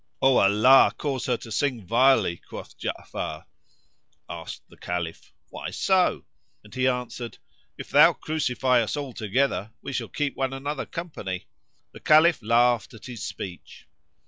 "O Allah cause her to sing vilely!" quoth Ja'afar. Asked the Caliph, "Why so?"; and he answered, "If thou crucify us all together, we shall keep one another company." The Caliph laughed at his speech.